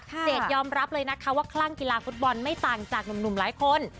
เจดยอมรับเลยนะคะว่าคลั่งกีฬาฟุตบอลไม่ต่างจากหนุ่มหลายคน